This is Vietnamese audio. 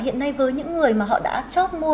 hiện nay với những người mà họ đã chót mua